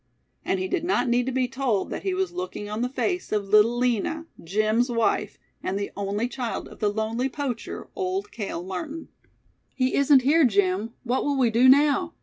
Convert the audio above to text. And he did not need to be told that he was looking on the face of Little Lina, Jim's wife, and the only child of the lonely poacher, Old Cale Martin. "He isn't here, Jim. What will we do now?